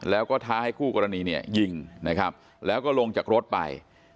แล้วก็ท้าให้คู่กรณียิงแล้วก็ลงจากรถไป